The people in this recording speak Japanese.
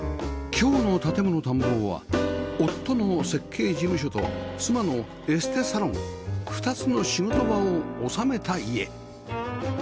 今日の『建もの探訪』は夫の設計事務所と妻のエステサロン２つの仕事場を収めた家